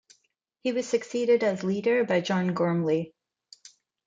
He was succeeded as leader by John Gormley.